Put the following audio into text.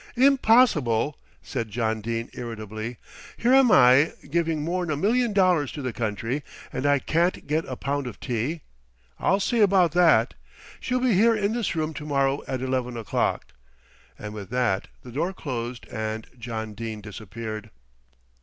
"Impossible!" said John Dene irritably. "Here am I giving more'n a million dollars to the country and I can't get a pound of tea. I'll see about that. She'll be here in this room to morrow at eleven o'clock," and with that the door closed and John Dene disappeared.